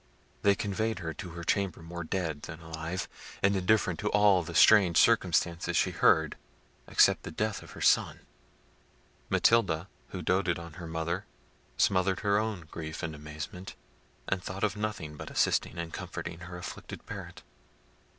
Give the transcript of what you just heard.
They conveyed her to her chamber more dead than alive, and indifferent to all the strange circumstances she heard, except the death of her son. Matilda, who doted on her mother, smothered her own grief and amazement, and thought of nothing but assisting and comforting her afflicted parent.